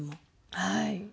はい。